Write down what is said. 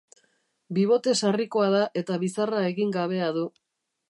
Bibote sarrikoa da eta bizarra egin gabea du.